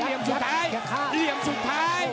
เตรี่ยมหงต์ไทย